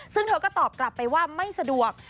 ซึ่งเธอก็ตอบกลับไปว่าไม่สะดวก